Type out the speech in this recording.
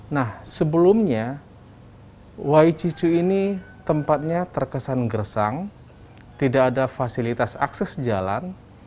nah sebelumnya wai cicu ini tempatnya terkesan gersang tidak ada fasilitas akses jalan